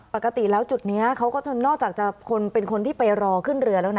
ปกติแล้วจุดนี้เขาก็จะนอกจากจะเป็นคนที่ไปรอขึ้นเรือแล้วนะ